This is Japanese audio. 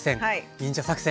「忍者作戦！」。